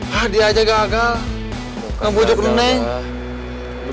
hah dia aja gagal ngebujuk nenek